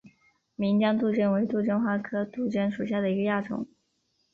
岷江杜鹃为杜鹃花科杜鹃属下的一个亚种。